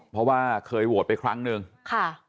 เพราะว่าเคยโหวตไปครั้งหนึ่งค่ะ